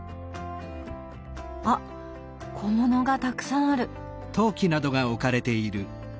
あっ小物がたくさんある。